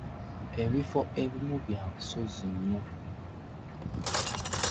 Ebifo ebimu bya busozi nnyo.